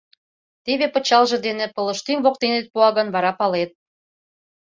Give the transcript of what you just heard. Теве пычалже дене пылыштӱҥ воктенет пуа гын, вара палет.